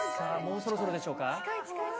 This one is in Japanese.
そろそろでしょうか。